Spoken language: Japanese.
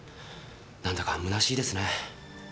なんだかむなしいですね。